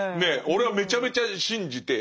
俺はめちゃめちゃ信じて。